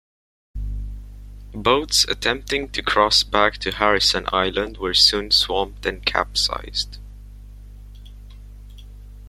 Boats attempting to cross back to Harrison Island were soon swamped and capsized.